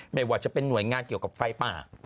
ไม่ว่าจะเป็นหน่วยงานเกี่ยวกับไฟป่า